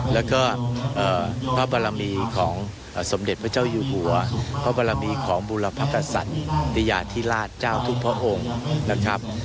แลก็พระบระมีของสมเด็จพเจ้ายุหัวพระบระมีของบุรพสันธิญาทิราชเจ้าทุกพระองค์นะครับ